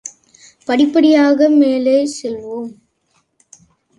படிப்படியாக மேலே செல்வோம்.